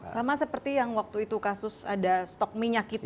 sama seperti yang waktu itu kasus ada stok minyak kita